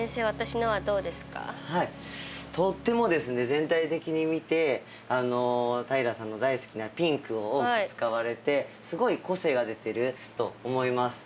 全体的に見て平さんの大好きなピンクを多く使われてすごい個性が出てると思います。